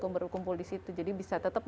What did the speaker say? berkumpul disitu jadi bisa tetap